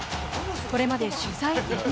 これまで取材拒否。